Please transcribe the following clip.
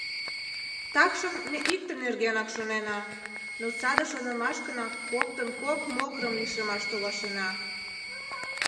Такшым ме икте нергенак шонена, но саде шонымашкына коктын кок могырым лишемаш толашена.